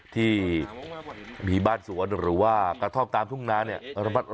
ที่มีบ้านสวนหรือว่ากระท่อมตามทุ่งนาเนี่ย